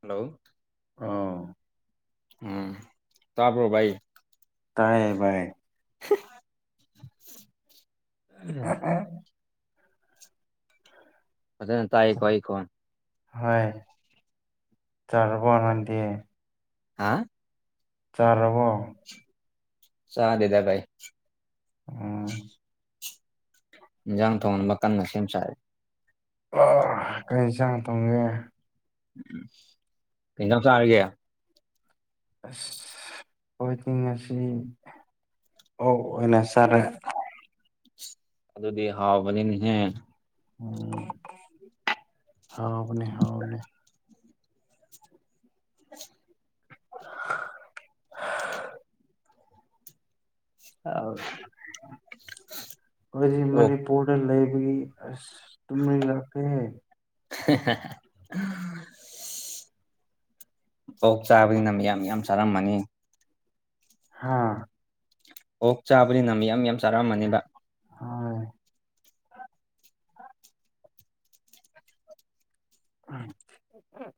hello ꯑꯣ ꯎꯝ ꯇꯥꯕ꯭ꯔꯣ ꯚꯥꯏ ꯇꯥꯏꯌꯦ ꯚꯥꯏ [unintelligible] ꯐꯖꯅ ꯇꯥꯏꯌꯦꯀꯣ ꯑꯩ ꯈꯣꯟ ꯍꯣꯏ ꯆꯥꯔꯕꯣ ꯅꯪꯗꯤ ꯍꯥꯥ ꯆꯥꯔꯕꯣ ꯆꯥꯗꯦꯗ ꯚꯥꯏ ꯎꯝ ꯏꯟꯖꯥꯡ ꯊꯣꯡꯅꯕ ꯀꯟꯅ ꯁꯦꯝ ꯁꯥꯔꯤ ꯑꯣ ꯀꯩ ꯏꯟꯁꯥꯡ ꯇꯣꯡꯒꯦ ꯀꯩ ꯢꯟꯖꯥꯡ ꯆꯥꯔꯒꯦ ꯑꯁ ꯈꯣꯏꯗꯤ ꯉꯁꯤ ꯑꯣꯛ ꯑꯣꯢꯅ ꯆꯥꯔꯦ ꯑꯗꯨꯗꯤ ꯍꯥꯎꯕꯅꯤꯅꯦꯍꯦ ꯎꯝ ꯍꯥꯎꯕꯅꯦ ꯍꯥꯎꯕꯅꯦ [unintelligible] [unintelligible] ꯑꯧ ꯈꯣꯏꯗꯤ ꯑꯣꯛ ꯃꯅꯤꯄꯨꯔꯗ ꯂꯩ ꯕꯒꯤ ꯑꯁ ꯇꯨꯝꯅꯤꯡꯂꯛꯈ꯭ꯔꯦ [unintelligible] ꯑꯣꯛ ꯆꯥꯕꯅꯤꯅ ꯃꯤꯌꯥꯝ ꯃꯤꯌꯥꯝ ꯆꯥꯔꯝꯃꯅꯤ ꯍꯥꯥ ꯑꯣꯛ ꯆꯥꯕꯅꯤꯅ ꯃꯤꯌꯥꯝ ꯃꯤꯌꯥꯝ ꯆꯥꯔꯝꯃꯅꯤꯕ ꯍꯣꯏ ꯑꯍꯝ [unintelligible]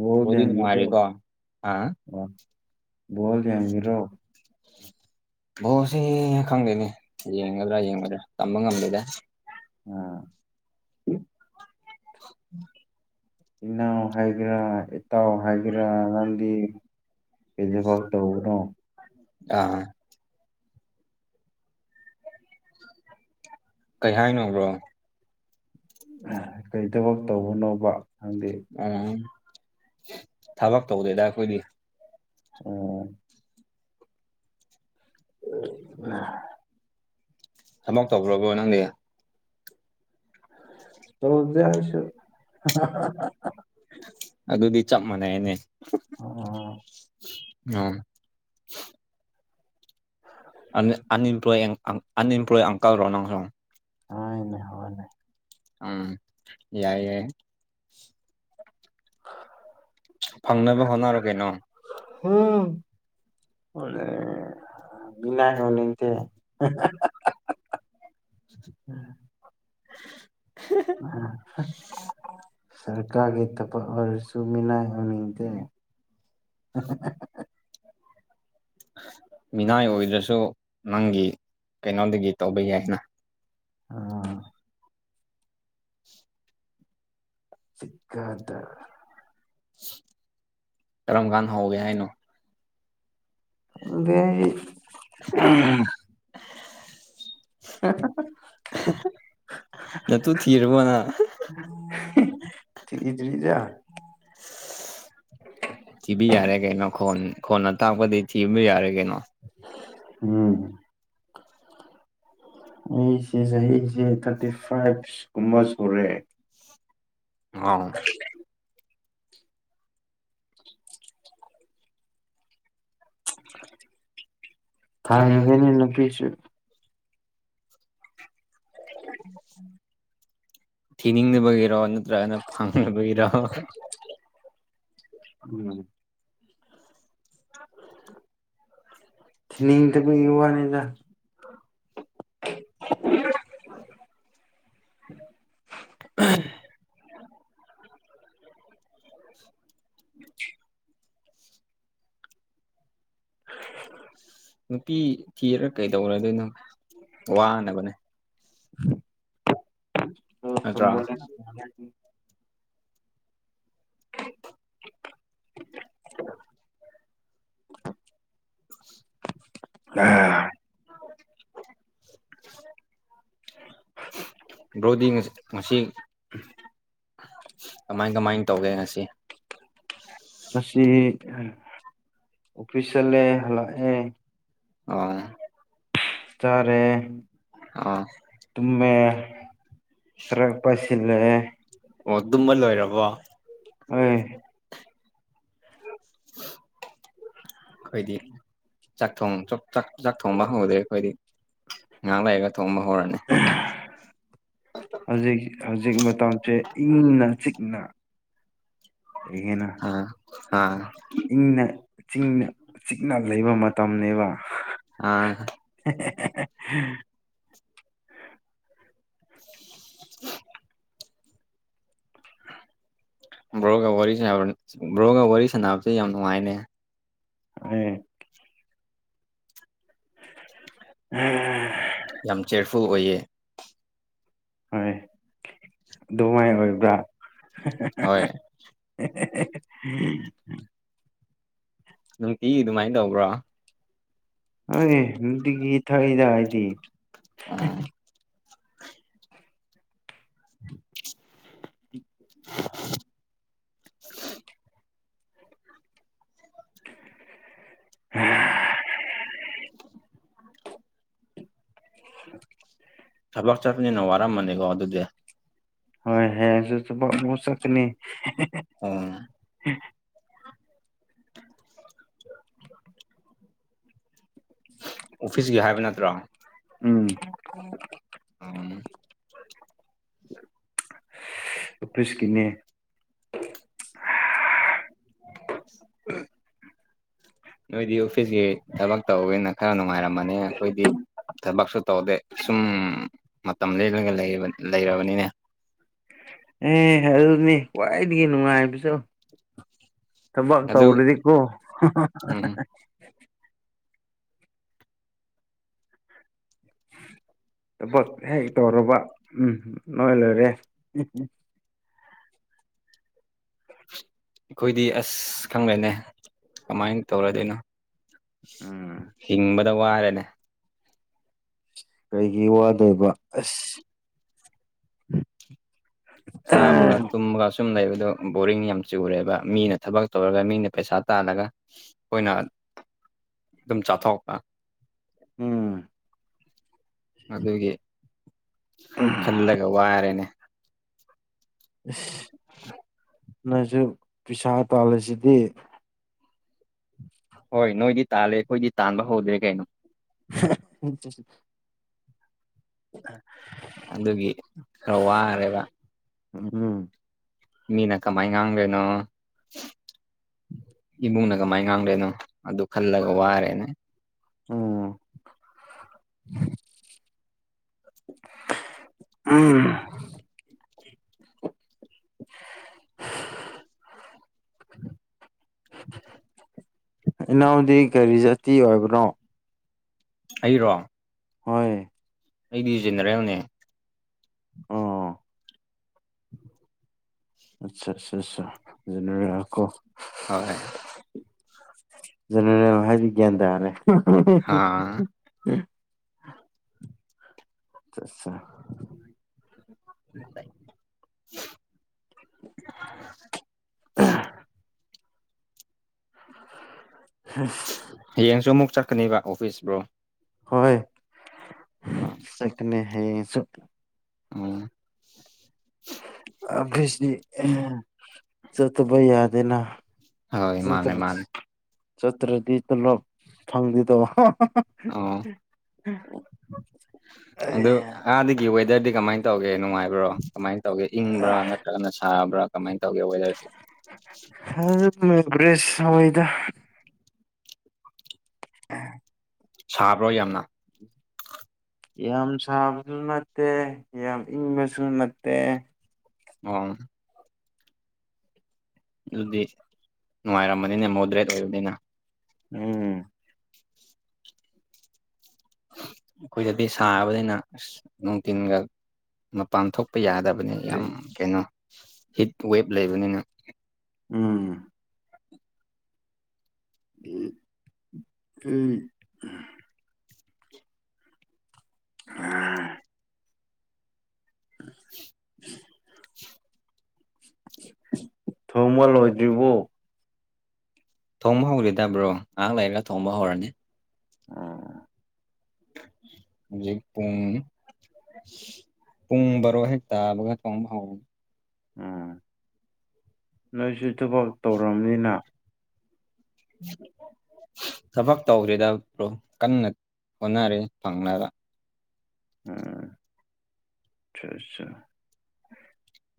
ꯕꯣꯜ ꯕ꯭ꯔꯣꯗꯤ ꯗꯦꯡꯒꯦꯔꯣ ꯅꯨꯡꯉꯥꯏꯔꯤꯀꯣ ꯑ ꯕꯣꯜ ꯌꯦꯡꯒꯦꯔꯣ ꯕꯣꯜ ꯁꯤ ꯈꯪꯗꯦꯅꯦ ꯌꯦꯡꯒꯗ꯭ꯔꯥ ꯌꯦꯡꯉꯣꯏꯗ꯭ꯔꯥ ꯇꯝꯕ ꯉꯝꯗꯦꯗ ꯑꯥ [unintelligible] ꯏꯅꯥꯎ ꯍꯥꯏꯒꯦꯔꯥ ꯏꯇꯥꯎ ꯍꯥꯏꯒꯦꯔꯥ ꯂꯝꯕꯤ ꯀꯩ ꯖꯩꯒꯥꯎꯗ ꯇꯧꯕꯅꯣ ꯑꯥ ꯀꯩ ꯍꯥꯏꯅꯣ ꯕ꯭ꯔꯣ ꯍ ꯀꯩ ꯊꯕꯛ ꯇꯧꯕꯅꯣꯕ ꯅꯪꯗꯤ ꯎꯝ ꯊꯕꯛ ꯇꯧꯗꯦꯗ ꯑꯈꯣꯏꯗꯤ ꯑꯣ [unintelligible] ꯊꯕꯛ ꯇꯧꯒ꯭ꯔꯕꯣ ꯅꯪꯗꯤ ꯇꯧꯗꯦ ꯑꯩꯁꯨ [unintelligible] ꯑꯗꯨꯗꯤ ꯆꯞ ꯃꯥꯟꯅꯩꯌꯦꯅꯦ ꯑꯣ ꯑꯝ ꯑꯟ-ꯑꯟꯏꯝꯄ꯭ꯂꯣꯏ ꯑꯟ-ꯑꯟꯏꯝꯄ꯭ꯂꯣꯏ ꯑꯪꯀꯜ ꯔꯣ ꯅꯪꯁꯨ ꯍꯣꯏꯅꯦ ꯍꯣꯏꯅꯦ ꯎꯝ ꯌꯥꯏ ꯌꯥꯏ ꯐꯪꯅꯕ ꯍꯣꯠꯅꯔꯣ ꯀꯩꯅꯣ ꯎꯝ ꯍꯣꯠꯅꯩ ꯃꯤꯅꯤꯏ ꯑꯣꯏꯅꯤꯡꯗꯦ ꯎꯝ [inaudible] ꯁꯔꯀꯥꯒꯤ ꯊꯕꯛ ꯑꯣꯏꯔꯁꯨ ꯃꯤꯅꯥꯏ ꯑꯣꯏꯅꯤꯡꯗꯦ [unintelligible] ꯃꯤꯅꯥꯏ ꯑꯣꯏꯗ꯭ꯔꯁꯨ ꯅꯪꯒꯤ ꯀꯩꯅꯣꯗꯒꯤ ꯇꯧꯕ ꯌꯥꯏꯅ ꯑꯥ ꯆꯤꯀꯥꯗꯔ ꯀꯔꯝ ꯀꯥꯟ ꯍꯧꯒꯦ ꯍꯥꯏꯅꯣ ꯈꯪꯗꯦ ꯑꯩ [unintelligible] ꯅꯇꯨ ꯊꯤꯔꯕꯅ [unintelligible] ꯊꯤꯗ꯭ꯔꯤꯗ ꯊꯤꯕ ꯌꯥꯔꯦ ꯀꯩꯅꯣ ꯈꯣꯟ ꯈꯣꯟꯅ ꯇꯥꯛꯄꯗꯤ ꯊꯤꯕ ꯌꯥꯔꯦ ꯀꯩꯅꯣ ꯑ ꯎꯝ ꯑꯩꯁꯦ ꯆꯍꯤꯁꯦ ꯊꯥꯔꯇꯤ ꯐꯥꯏꯚ ꯀꯨꯝꯕ ꯁꯨꯔꯦ ꯑꯥꯎ [inaudible] ꯐꯥꯡꯗꯦꯅꯦ ꯅꯨꯄꯤꯁꯨ ꯊꯤꯅꯤꯡꯗꯕꯒꯤꯔꯣ ꯅꯠꯇ꯭ꯔꯒꯅ ꯐꯪꯗꯕꯒꯤꯔꯣ ꯎꯝ ꯊꯤꯅꯤꯡꯗꯕꯩ ꯋꯥꯅꯤꯗꯥ [inaudible] [inaudible] [unintelligible] [inaudible] [inaudible] ꯅꯨꯄꯤ ꯊꯤꯔ ꯀꯩꯗꯧꯅꯗꯣꯏꯅꯣ ꯋꯥꯅꯕꯅꯦ ꯅꯠꯇ꯭ꯔꯥ [unintelligible] [unintelligible] [inaudible] ꯕ꯭ꯔꯣꯗꯤ ꯉ ꯉꯁꯤ ꯀꯃꯥꯏ ꯀꯃꯥꯏ ꯇꯧꯒꯦ ꯉꯁꯤ ꯉꯁꯤ ꯑꯣꯐꯤꯁ ꯆꯠꯂꯦ ꯍꯜꯂꯛꯑꯦ ꯑꯣ ꯆꯥꯔꯦ ꯑꯣ ꯃꯦ ꯈꯔ ꯄꯥꯏꯁꯤꯜꯂꯦ ꯑꯣ ꯑꯗꯨꯝꯃ ꯂꯣꯏꯔꯕꯣ ꯑꯣꯏ [inaudible] ꯑꯩꯈꯣꯏꯗꯤ ꯆꯥꯛ ꯊꯣꯡ ꯆꯣ ꯆꯥ ꯆꯥꯛ ꯊꯣꯡꯕ ꯍꯧꯗ꯭ꯔꯤ ꯑꯩꯈꯣꯏꯗꯤ ꯉꯩꯍꯥꯛ ꯂꯩꯒ ꯍꯧꯖꯤꯛ ꯍꯧꯖꯤꯛ ꯃꯇꯝꯁꯦ ꯏꯪꯅ ꯆꯤꯛ ꯅ ꯏꯉꯦꯅ ꯑꯥ ꯑꯥ ꯏꯪꯅ ꯆꯤꯡꯅ ꯆꯤꯛꯅ ꯂꯩꯕ ꯃꯇꯝꯅꯦꯕ ꯑꯥ [unintelligible] [inaudible] ꯕ꯭ꯔꯣꯒ ꯋꯥꯔꯤ ꯁꯅꯕ ꯕ꯭ꯔꯣꯒ ꯋꯥꯔꯤ ꯁꯥꯟꯅꯕꯁꯦ ꯌꯥꯝ ꯅꯨꯡꯉꯥꯏꯅꯦ ꯑꯦ ꯑꯍꯦ ꯌꯥꯝ ꯆꯤꯌꯔꯐꯨꯜ ꯑꯣꯏꯌꯦ ꯍꯣꯏ ꯑꯗꯨꯃꯥꯏꯅ ꯑꯣꯏꯕ꯭ꯔꯥ ꯍꯣꯏ ꯍꯦꯍꯦꯍꯦꯍ ꯅꯨꯡꯇꯤ ꯑꯗꯨꯃꯥꯏꯅ ꯇꯧꯕ꯭ꯔꯣ ꯍꯣꯏꯅꯦ ꯅꯨꯡꯇꯤꯒꯤ ꯊꯣꯛꯏꯗ ꯑꯩꯗꯤ ꯑꯥ [unintelligible] [unintelligible] [inaudible] ꯊꯕꯛ ꯆꯠꯄꯅꯤꯅ ꯋꯥꯔꯝꯃꯅꯤꯀꯣ ꯑꯗꯨꯗꯤ ꯍꯣꯏ ꯍꯌꯦꯡꯁꯨ ꯊꯕꯛ ꯃꯨꯛ ꯆꯥꯠꯀꯅꯤ ꯑꯣ [inaudible] ꯑꯣꯐꯤꯁꯀꯤ ꯍꯥꯏꯕ ꯅꯠꯇ꯭ꯔꯣ ꯎꯝ ꯑꯥ ꯑꯣꯐꯤꯁꯀꯤꯅꯦ [inaudible] [inaudible] ꯅꯣꯏꯗꯤ ꯑꯣꯐꯤꯁꯀꯤ ꯊꯕꯛ ꯇꯧꯋꯦꯅ ꯈꯔ ꯅꯨꯡꯉꯥꯏꯔꯝ ꯃꯅꯤ ꯑꯩꯈꯣꯏꯗꯤ ꯊꯕꯛꯁꯨ ꯇꯧꯗꯦ ꯁꯨꯝ ꯃꯇꯝ ꯂꯦꯜꯂꯒ ꯂꯩ ꯂꯩꯔꯕꯅꯤꯅꯦ ꯑꯦ ꯑꯗꯨꯅꯤ ꯈꯨꯋꯥꯏꯗꯒꯤ ꯅꯨꯡꯉꯥꯏꯕ ꯁꯨ ꯊꯕꯛ ꯑꯗꯨ ꯇꯧꯔꯗꯤꯀꯣ ꯎꯝ ꯍꯥꯍꯥꯍꯥ [inaudible] ꯊꯕꯛ ꯍꯦꯛ ꯇꯧꯔꯕ ꯎꯝ ꯅꯣꯏ ꯂꯣꯏꯔꯦ ꯑꯩꯈꯣꯏꯗꯤ ꯑꯁ ꯈꯪꯗꯦꯅꯦ ꯀꯃꯥꯏꯅ ꯇꯧꯔꯗꯣꯏꯅꯣ ꯎꯝ ꯍꯤꯡꯕꯗ ꯋꯥꯔꯦꯅꯦ ꯀꯔꯤꯒꯤ ꯋꯗꯣꯏꯕ ꯑꯁ ꯆꯥꯕꯒ ꯇꯨꯝꯕꯒ ꯁꯨꯝ ꯂꯩꯕꯗꯣ ꯕꯣꯔꯤꯡ ꯌꯥꯝ ꯆꯨꯔꯦꯕ ꯃꯤꯅ ꯊꯕꯛ ꯇꯧꯔꯒ ꯃꯤꯅ ꯄꯩꯁꯥ ꯇꯥꯜꯂꯒ ꯑꯩꯈꯣꯏꯅ ꯑꯗꯨꯝ ꯆꯥꯊꯣꯛꯄꯥ ꯎꯝ ꯑꯗꯨꯒꯤ ꯈꯜꯂꯒ ꯋꯥꯔꯦꯅꯦ ꯏꯁ ꯅꯣꯏꯁꯨ ꯄꯩꯁꯥ ꯇꯥꯜꯂꯤꯁꯤꯗꯤ ꯍꯣꯏ ꯅꯣꯏꯗꯤ ꯇꯥꯜꯂꯦ ꯑꯩꯈꯣꯏꯗꯤ ꯇꯥꯟꯕ ꯍꯧꯗ꯭ꯔꯦ ꯀꯩꯅꯣ [unintelligible] [inaudible] ꯑꯗꯨꯒꯤ ꯈꯔ ꯋꯥꯔꯦꯕ [unintelligible] ꯃꯤꯅ ꯀꯃꯥꯏ ꯉꯥꯡꯗꯣꯏꯅꯣ ꯏꯕꯨꯡꯅ ꯀꯃꯥꯏ ꯉꯥꯡꯗꯣꯏꯅꯣ ꯑꯗꯨ ꯈꯥꯜꯂꯒ ꯋꯥꯔꯦꯅꯦ ꯎꯝ ꯎꯝ [unintelligible] ꯏꯅꯥꯎꯗꯤ ꯀꯔꯤ ꯖꯥꯇꯤ ꯑꯣꯏꯕꯔꯣ ꯑꯩꯔꯣ ꯍꯣꯏ ꯑꯩꯗꯤ ꯖꯦꯅꯦꯔꯦꯜꯅꯦ ꯑꯣ [inaudible] ꯑꯠꯆꯥ ꯑꯠꯆꯥ ꯑꯠꯆꯥ ꯖꯦꯅꯔꯦꯜ ꯀꯣ ꯍꯣꯏ ꯖꯅꯔꯦꯜ ꯍꯥꯏꯕ ꯒ꯭ꯌꯥꯟ ꯇꯥꯔꯦ [inaudible] ꯑꯥ ꯆꯥ ꯆꯥ [unintelligible] ꯑ [inaudible] ꯍꯌꯦꯡꯁꯨ ꯑꯃꯨꯛ ꯆꯠꯀꯅꯤꯕ ꯑꯣꯐꯤꯁ ꯕ꯭ꯔꯣ ꯍꯣꯏ ꯑꯣ ꯆꯀꯅꯤ ꯍꯌꯦꯡꯁꯨ ꯑꯣ ꯑꯐꯤꯁꯗꯤ ꯆꯠꯇꯕ ꯌꯥꯗꯦꯅ ꯍꯣꯏ ꯃꯥꯅꯦ ꯆꯠꯇ꯭ꯔ ꯃꯥꯅꯦ ꯆꯠꯇ꯭ꯔꯗꯤ ꯇꯣꯂꯣꯞ ꯐꯪꯗꯦꯗꯣ ꯑꯣ ꯑꯗꯨ ꯑꯥꯗꯒꯤ ꯋꯦꯗꯔꯗꯤ ꯀꯃꯥꯏ ꯇꯧꯒꯦ ꯅꯨꯡꯉꯥꯏꯕ꯭ꯔꯣ ꯀꯃꯥꯏꯅ ꯇꯧꯒꯦ ꯏꯪꯕ꯭ꯔꯥ ꯅꯠꯇ꯭ꯔꯒꯅ ꯁꯥꯕ꯭ꯔꯥ ꯀꯃꯥꯏꯅ ꯇꯧꯒꯦ ꯋꯦꯗꯔꯁꯤ ꯭ꯔꯦꯁ ꯁꯋꯤꯗ ꯁꯥꯕ꯭ꯔꯣ ꯌꯥꯝꯅ ꯌꯥꯝ ꯁꯥꯕꯁꯨ ꯅꯠꯇꯦ ꯌꯥꯝ ꯏꯪꯕꯁꯨ ꯅꯠꯇꯦ ꯑꯣ ꯑꯗꯨꯗꯤ ꯅꯨꯡꯉꯥꯏꯔꯝꯕꯅꯤꯅꯦ ꯃꯣꯗ꯭ꯔꯦꯠ ꯑꯣꯏꯕꯅꯤꯅ ꯎꯝ [inaudible] ꯑꯩꯈꯣꯏꯗꯗꯤ ꯁꯥꯕꯅꯤꯅ ꯑꯁ ꯅꯨꯡꯊꯤꯟꯒ ꯃꯄꯥꯟ ꯊꯣꯛ ꯌꯥꯗꯕꯅꯤ ꯌꯥꯝ ꯀꯩꯅꯣ ꯍꯤꯠ ꯋꯦꯕ ꯂꯩꯕꯅꯤꯅ ꯎꯝ ꯑꯩ [unintelligible] [inaudible] ꯊꯣꯡꯕ ꯂꯣꯏꯗ꯭ꯔꯤꯕꯣ ꯊꯣꯡꯕ ꯍꯧꯈꯤꯗꯕ꯭ꯔꯣ ꯉꯥꯏꯍꯥꯛ ꯂꯩꯔꯒ ꯊꯣꯡꯕ ꯍꯧꯔꯅꯤ ꯎꯝ ꯍꯧꯖꯤꯛ ꯄꯨꯡ ꯄꯨꯡ ꯕꯔꯣ ꯍꯦꯛ ꯇꯥꯕꯒ ꯊꯣꯡꯕ ꯍꯧꯒꯅꯤ ꯎꯝ ꯅꯣꯏꯁꯨ ꯊꯕꯛ ꯇꯧꯔꯝꯅꯤꯅ ꯊꯕꯛ ꯇꯧꯗ꯭ꯔꯤꯗ ꯕ꯭ꯔꯣ ꯀꯟꯅ ꯑꯣꯟꯅꯔꯦ ꯐꯪꯂꯥꯗ ꯎꯝ ꯆꯥ ꯆꯥ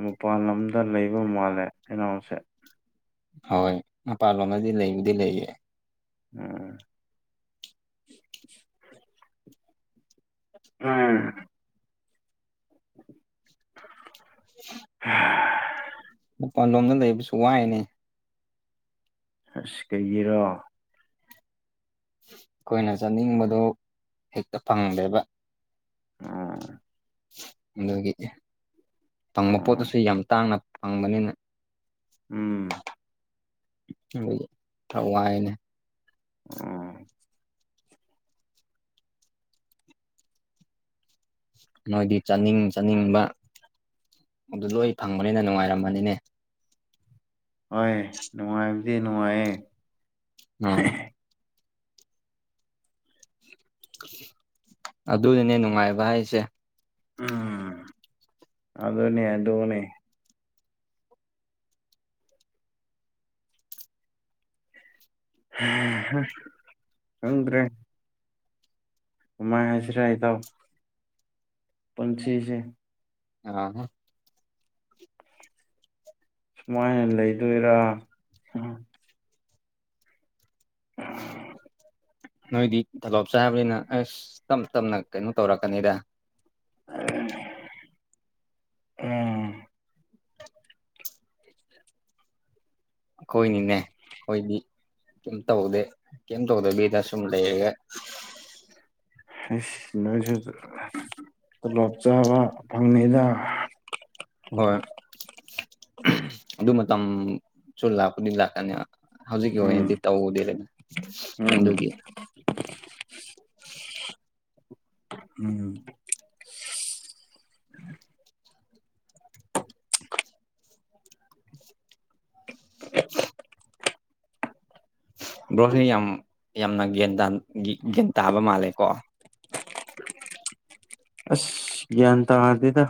ꯃꯄꯥꯟ ꯂꯝꯗ ꯂꯩꯕ ꯃꯥꯜꯂꯦ ꯏꯅꯥꯎꯁꯦ ꯍꯣꯏ ꯃꯄꯥꯟ ꯂꯣꯝꯗꯗꯤ ꯂꯩꯕꯨꯗꯤ ꯂꯩꯌꯦ ꯎꯝ ꯎꯝ [unintelligible] ꯄꯥꯟꯂꯣꯝꯗ ꯂꯩꯕꯁꯨ ꯋꯥꯏꯅꯦ ꯑꯁ ꯀꯩꯒꯤꯔꯣ ꯑꯈꯣꯏꯅ ꯆꯥꯅꯤꯡꯕꯗꯨ ꯍꯦꯛꯇ ꯐꯪꯗꯦꯕ ꯎꯝ ꯑꯗꯨꯒꯤ ꯐꯪꯕ ꯎꯝ ꯄꯣꯠꯇꯨꯁꯨ ꯌꯥꯝ ꯇꯥꯡꯅ ꯐꯪꯕꯅꯤꯅ ꯎꯝ ꯏꯇꯧ ꯊꯋꯥꯏꯅꯦ ꯎꯝ ꯅꯣꯏꯗꯤ ꯆꯥꯅꯤꯡ ꯆꯥꯅꯤꯡꯕ ꯑꯗꯨ ꯂꯣꯏ ꯐꯪꯕꯅꯤꯅ ꯅꯨꯡꯉꯥꯏꯔꯝꯃꯅꯤꯅꯦ ꯍꯣꯏ ꯅꯨꯡꯉꯥꯏꯕꯗꯤ ꯅꯨꯡꯉꯥꯏꯌꯦ ꯎꯝ ꯑꯗꯨꯅꯤꯅꯦ ꯅꯨꯡꯉꯥꯏꯕ ꯍꯥꯏꯁꯦ ꯎꯝ ꯑꯗꯨꯅꯦ ꯑꯗꯣꯅꯦ ꯍꯦ ꯍ ꯈꯪꯗ꯭ꯔꯦ ꯀꯃꯥꯏ ꯍꯥꯏꯁꯤꯔ ꯏꯇꯥꯎ ꯄꯨꯟꯁꯤꯁꯦ ꯑꯥ ꯍꯥ ꯁꯨꯃꯥꯏꯅ ꯂꯩꯗꯣꯏꯔꯥ ꯍ [unintelligible] ꯅꯣꯏꯗꯤ ꯇꯣꯂꯣꯞ ꯆꯥꯕꯅꯤꯅ ꯑꯁ ꯇꯞ ꯇꯞꯅ ꯀꯩꯅꯣ ꯇꯧꯔꯛꯀꯅꯤꯗ [unintelligible] ꯎꯝ ꯑꯈꯣꯏꯅꯤꯅꯦ ꯈꯣꯏꯗꯤ ꯀꯦꯝ ꯇꯧꯗꯦ ꯀꯦꯝ ꯇꯧꯗꯕꯤꯗ ꯁꯨꯝ ꯂꯩꯌꯦ ꯍꯩꯁ ꯅꯣꯏꯁꯨ ꯇꯣꯂꯣꯞ ꯆꯥꯕ ꯐꯪꯅꯤꯗ ꯍꯣꯏ ꯑꯗꯨ ꯃꯇꯝꯁꯨ ꯂꯥꯛꯄꯨꯗꯤ ꯂꯥꯛꯀꯅꯤ ꯍꯧꯖꯤꯛꯀꯤ ꯎꯝ ꯑꯣꯏꯅꯗꯤ ꯇꯧꯗꯦꯗ ꯎꯝ ꯑꯗꯨꯒꯤ [inaudible] ꯎꯝ [inaudible] [inaudible] ꯕ꯭ꯔꯣꯁꯦ ꯌꯥꯝ ꯌꯥꯝꯅ ꯒ꯭ꯌꯥꯟꯇꯥꯟ ꯒ ꯒ꯭ꯌꯥꯟ ꯇꯥꯕ ꯃꯥꯜꯂꯦꯀꯣ ꯑꯁ ꯒ꯭ꯌꯥꯟ ꯇꯥꯗꯦꯗ